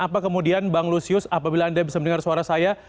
apa kemudian bang lusius apabila anda bisa mendengar suara saya